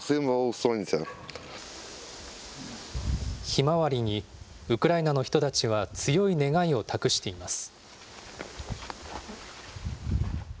ひまわりにウクライナの人たちは強い願いを託しています。